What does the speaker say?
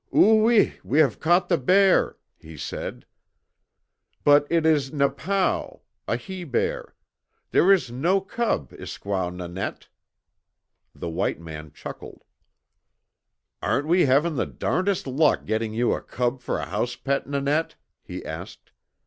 "Oo ee, we have caught the bear," he said. "But it is napao (a he bear). There is no cub, Iskwao Nanette!" The white man chuckled. "Aren't we having the darndest luck getting you a cub for a house pet, Nanette?" he asked.